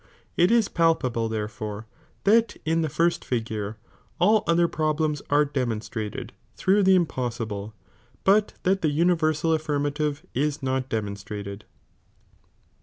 It is palpable, therefore, that in the first figure, all other problems are demonstrated through the impossible ; hut that ^■t imiversal affirmative is not demonstrated.